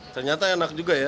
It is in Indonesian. ternyata enak juga ya